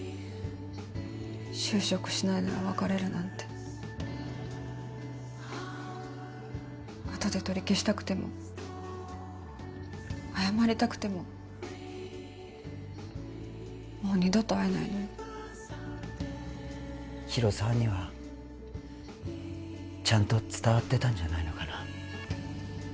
就職しないなら別れるなんてあとで取り消したくても謝りたくてももう二度と会えないのに広沢にはちゃんと伝わってたんじゃないのかな